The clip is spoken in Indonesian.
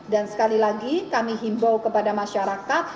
dan sekali lagi kami himbau kepada masyarakat